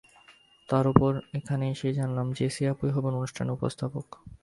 তার ওপর এখানে এসেই জানলাম, জেসি আপুই হবেন অনুষ্ঠানের উপস্থাপক।